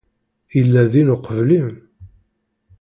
Yella din uqbel-im.